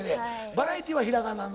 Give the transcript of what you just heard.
バラエティーはひらがなの「あの」。